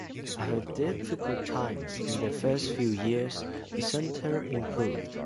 After difficult times in the first few years, the center improved.